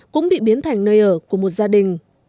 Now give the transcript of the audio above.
cũng bị biến thành nơi ở của một gia đình